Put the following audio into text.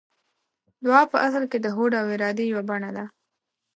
دعا په اصل کې د هوډ او ارادې يوه بڼه ده.